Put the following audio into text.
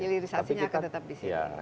hilirisasinya akan tetap di sini